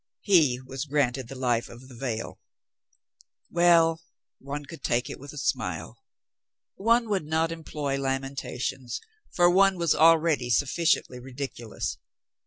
He was granted the life of the vale. Well ! One could take it with a smile. One would not employ lamentations, for one was already suf ficiently ridiculous.